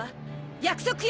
約束よ。